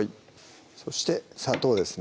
そして砂糖ですね